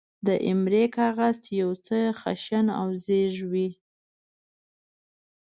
د ایمرۍ کاغذ، چې یو څه خشن او زېږ وي.